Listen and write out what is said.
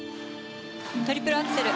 トリプルアクセル。